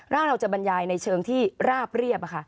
ร่างเราจะบรรยายในเชิงที่ราบเรียบ